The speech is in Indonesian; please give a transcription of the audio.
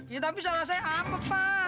ya tapi salah saya apa pak